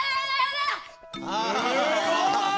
すごい！